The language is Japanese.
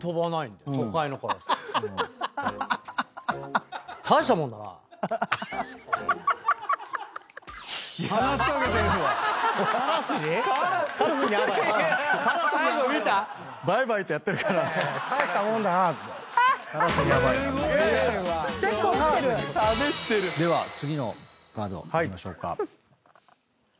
では次のカードいきましょうか。